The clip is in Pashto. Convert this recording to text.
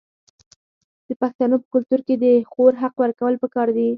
د پښتنو په کلتور کې د خور حق ورکول پکار دي.